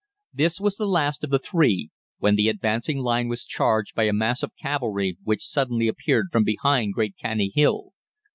This was the last of the three, when the advancing line was charged by a mass of cavalry which suddenly appeared from behind Great Canney Hill.